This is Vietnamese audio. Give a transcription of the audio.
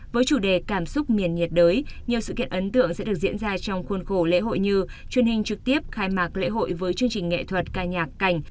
với chủ đề cảm xúc miền nhiệt đới nhiều sự kiện ấn tượng sẽ được diễn ra trong khuôn khổ lễ hội như truyền hình trực tiếp khai mạc lễ hội với chương trình nghệ thuật ca nhạc cảnh